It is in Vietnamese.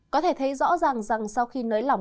có thể thấy rõ ràng rằng sau khi nới lỏng